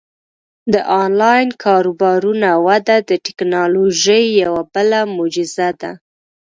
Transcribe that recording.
د آنلاین کاروبارونو وده د ټیکنالوژۍ یوه بله معجزه ده.